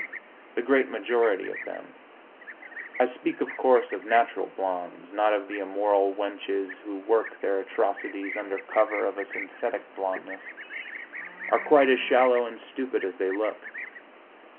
The great majority of them I speak, of course, of natural blondes; not of the immoral wenches who work their atrocities under cover of a synthetic blondeness are quite as shallow and stupid as they look.